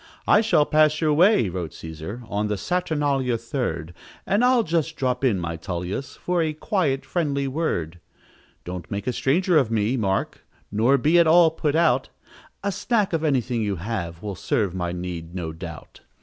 "I shall pass your way," wrote Cæsar, "On the Saturnalia, Third, And I'll just drop in, my Tullius, For a quiet friendly word: "Don't make a stranger of me, Marc, Nor be at all put out, A snack of anything you have Will serve my need, no doubt.